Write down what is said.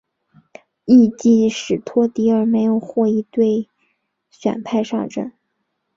翌季史托迪尔没有获一队选派上阵。